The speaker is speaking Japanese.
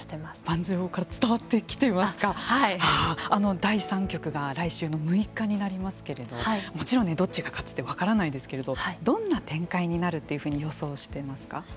第三局が来週の６日になりますけれどもちろんどっちが勝つって分からないですけれどどんな展開になるというふうに予想していますか。